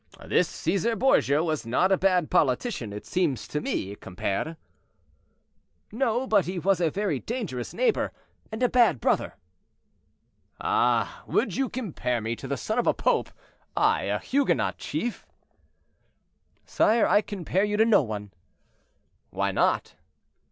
"This Cæsar Borgia was not a bad politician, it seems to me, compere." "No, but he was a very dangerous neighbor and a bad brother." "Ah! would you compare me to the son of a pope—I, a Huguenot chief?" "Sire, I compare you to no one." "Why not?"